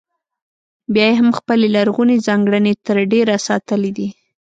بیا یې هم خپلې لرغونې ځانګړنې تر ډېره ساتلې دي.